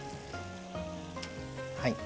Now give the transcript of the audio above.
はい。